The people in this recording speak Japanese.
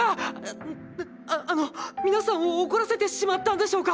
ななああの皆さんを怒らせてしまったんでしょうか？